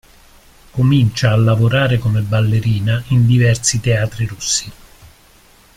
Comincia a lavorare come ballerina in diversi teatri russi.